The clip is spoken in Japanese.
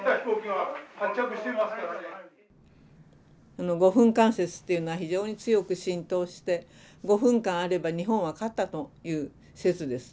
あの５分間説というのは非常に強く浸透して５分間あれば日本は勝ったという説ですね。